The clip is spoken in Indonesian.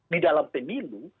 di dalam penilu